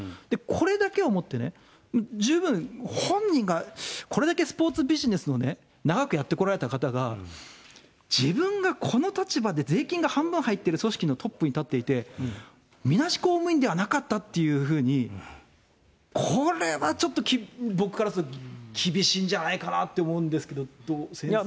これだけをもってね、十分、本人が、これだけスポーツビジネスを長くやってこられた方が、自分がこの立場で、税金が半分入っている組織のトップに立っていて、みなし公務員ではなかったっていうふうに、これはちょっと、僕からすると厳しいんじゃないかなと思うんですけど、どうですか？